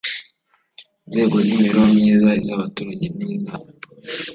nzego z imibereho myiza iz abaturage n iza